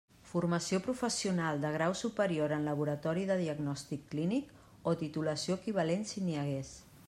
Formació Professional de grau superior en laboratori de diagnòstic clínic, o titulació equivalent si n'hi hagués.